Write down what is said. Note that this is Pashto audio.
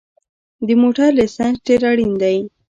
د موټر لېسنس ډېر اړین دی